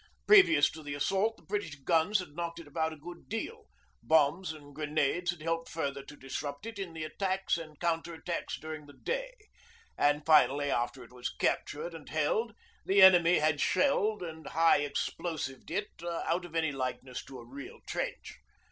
Previous to the assault, the British guns had knocked it about a good deal, bombs and grenades had helped further to disrupt it in the attacks and counter attacks during the day, and finally, after it was captured and held, the enemy had shelled and high explosived it out of any likeness to a real trench.